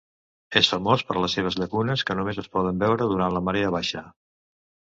És famós per les seves llacunes que només es poden veure durant la marea baixa.